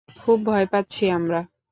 খুব ভয় পাচ্ছি আমরা!